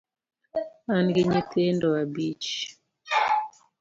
An gi nyithindo abich